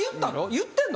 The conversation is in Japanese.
言ってんの？